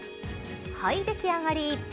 はい、出来上がり。